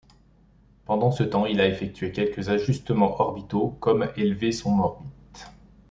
Pendant ce temps, il a effectué quelques ajustements orbitaux comme élever son orbite.